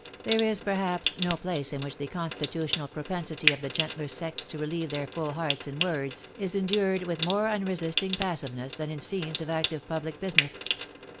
There is, perhaps, no place in which the constitutional propensity of the gentler sex to relieve their full hearts in words, is endured with more unresisting passiveness than in scenes of active pubhc business.